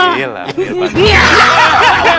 ambil pak dek